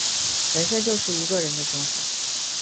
人生就是一个人的生活